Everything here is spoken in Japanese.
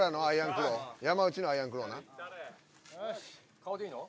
顔でいいの？